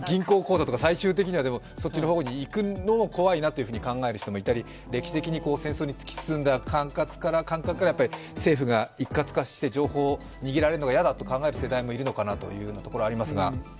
でも銀行口座とか、最終的にはそっちの方に行くのも怖いなと考える人もいたり、歴史的に戦争に突き進んだ感覚から政府が一括して情報を握られるのが嫌だと考えるのが嫌だと言いますが。